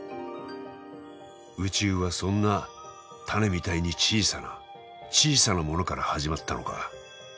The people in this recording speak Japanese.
宇宙はそんな種みたいに小さな小さなものから始まったのか。